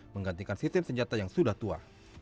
menggantikan sistem senjata yang sudah tua